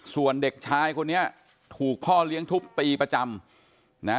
ส่วนเด็กชายคนนี้ถูกพ่อเลี้ยงทุบตีประจำนะ